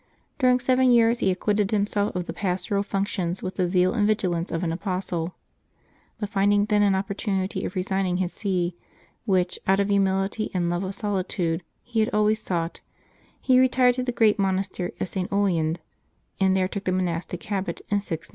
During seven years he acquitted him self of the pastoral functions with the zeal and vigilance of an apostle; but finding then an opportunity of resigning his see, which, out of humility and love of solitude, he had always sought, he retired to the great monastery of St. Oyend, and there took the monastic habit, in 690.